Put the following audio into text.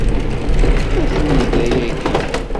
Atni da yagi.